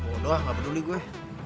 bodoh gak peduli gue